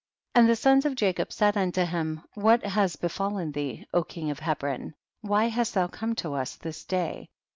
40. And the sons of Jacob said imto him, what has befallen thee, O king of Hebron ? why hast thou come to us this day?